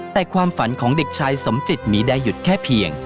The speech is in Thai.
แต่ความฝันของเด็กชายสมจิตมีได้หยุดแค่เพียง